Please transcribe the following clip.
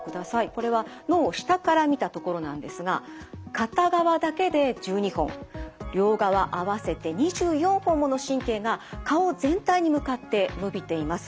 これは脳を下から見たところなんですが片側だけで１２本両側合わせて２４本もの神経が顔全体に向かってのびています。